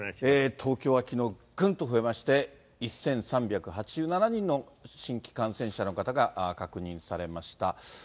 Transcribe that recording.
東京はきのう、ぐんと増えまして、１３８７人の新規感染者の方が確認されました。